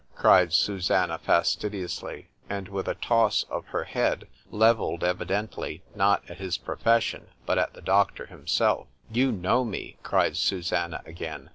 cried Susannah fastidiously, and with a toss of her head, levelled evidently, not at his profession, but at the doctor himself,——you know me! cried Susannah again.